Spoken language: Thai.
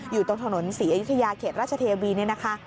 อยู่ตรงถนนศรีอยุธยาเขตราชเทวีเนี่ยนะคะ